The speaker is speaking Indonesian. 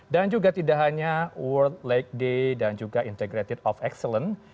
dan juga tidak hanya world lake day dan juga integrated of excellence